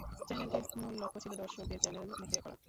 Channel টির মূল লক্ষ্য ছিল দর্শক দের চ্যানেল মুখে করা।